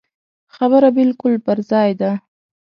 خبره بالکل پر ځای ده.